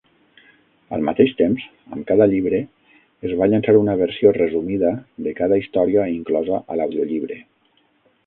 Al mateix temps, amb cada llibre es va llançar una versió resumida de cada història inclosa a l'audiollibre.